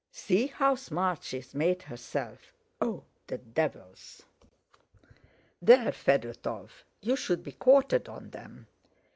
"See how smart she's made herself! Oh, the devils!" "There, Fedótov, you should be quartered on them!"